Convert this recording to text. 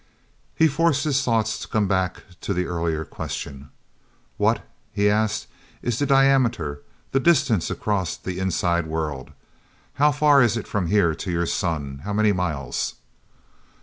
He forced his thoughts to come back to the earlier question. "What," he asked, "is the diameter, the distance across the inside world? How far is it from here to your sun? How many miles?"